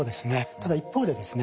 ただ一方でですね